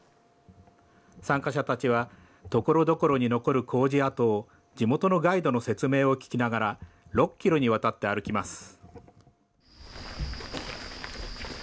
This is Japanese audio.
参加者たちはところどころに残る工事跡を、地元のガイドの説明を聞きながら、６キロにわたって歩きます。